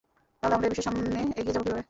তাহলে আমরা এই বিষয়ে সামনে এগিয়ে যাবো কিভাবে?